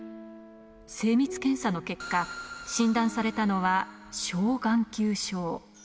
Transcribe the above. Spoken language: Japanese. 精密検査の結果、診断されたのは、小眼球症。